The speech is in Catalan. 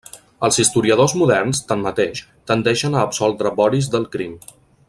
Els historiadors moderns, tanmateix, tendeixen a absoldre Boris del crim.